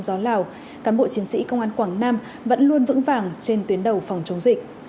gió lào cán bộ chiến sĩ công an quảng nam vẫn luôn vững vàng trên tuyến đầu phòng chống dịch